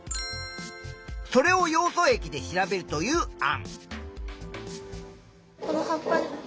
それをヨウ素液で調べるという案。